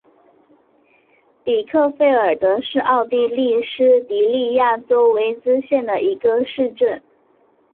比克费尔德是奥地利施蒂利亚州魏茨县的一个市镇。